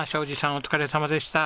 お疲れさまでした。